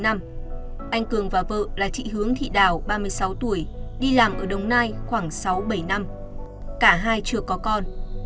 anh cường và vợ là chị hướng thị đào ba mươi sáu tuổi đi làm ở đồng nai khoảng sáu bảy năm cả hai chưa có con